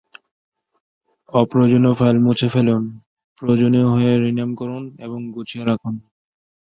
অপ্রয়োজনীয় ফাইল মুছে ফেলুন, প্রয়োজনীয় হয়ে রিনেম করুন এবং গুছিয়ে রাখুন।